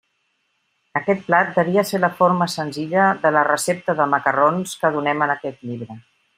Aquest plat devia ser la forma senzilla de la recepta de macarrons que donem en aquest llibre.